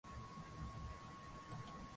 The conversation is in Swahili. ya pili ya uchaguzi wa urais nchini ivory coast